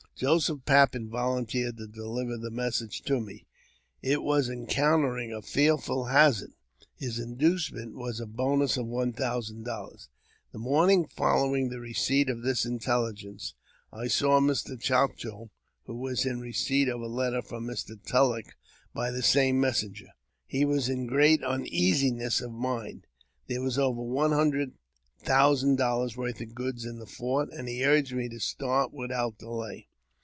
Joseph Pappen volunteered to deliver the message to ma it was encountering a fearful hazard. His inducement wa3 fl bonus of one thousand dollars. The morning following the receipt of this intelligence I saw Mr. Chouteau, who was in receipt of a letter from Mr. Tulleck by the same messenger. He was in great uneasiness of mind. There was over one hundred thousand dollars' worth of goods in the fort, and he urged me to start without delay.